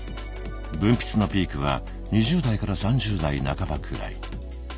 分泌のピークは２０代から３０代半ばくらい。